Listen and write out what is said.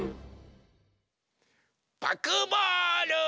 パクボール！